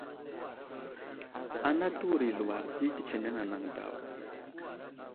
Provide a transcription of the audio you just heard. Ana təwuro i aluwar di tətsineŋ anaŋ daw.